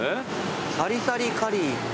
「サリサリカリー」